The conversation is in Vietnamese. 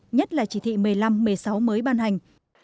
nhất là chỉ thị một mươi năm một mươi sáu mới ban hành